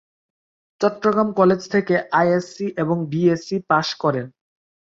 Chittagong college থেকে ISc এবং BSc pass করেন।